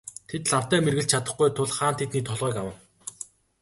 Тэд лавтай мэргэлж чадахгүй тул хаан тэдний толгойг авна.